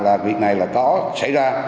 là việc này là có xảy ra